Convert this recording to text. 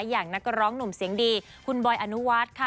อย่างนักร้องหนุ่มเสียงดีคุณบอยอนุวัฒน์ค่ะ